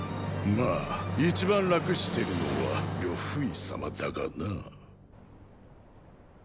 まあ一番楽してるのは呂不韋様だがな。